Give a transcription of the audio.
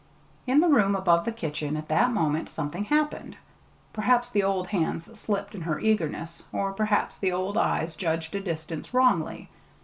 In the room above the kitchen, at that moment, something happened. Perhaps the old hands slipped in their eagerness, or perhaps the old eyes judged a distance wrongly.